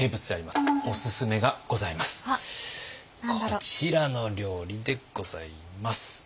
こちらの料理でございます。